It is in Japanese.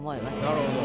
なるほど。